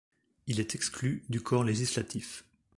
Il est exclu du Corps législatif.